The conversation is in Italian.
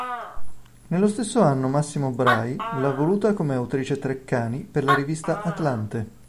Nello stesso anno Massimo Bray l’ha voluta come autrice Treccani per la rivista "Atlante".